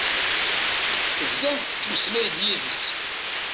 Tebda tettmeslay d yid-s.